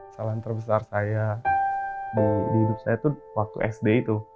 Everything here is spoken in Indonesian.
salam terbesar saya di hidup saya tuh waktu sd itu